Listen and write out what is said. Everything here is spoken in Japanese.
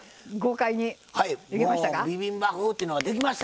もうビビンバ風というのができました。